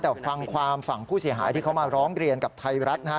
แต่ฟังความฝั่งผู้เสียหายที่เขามาร้องเรียนกับไทยรัฐนะฮะ